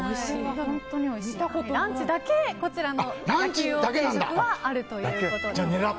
ランチだけこちらの焼きうお定食はあるということです。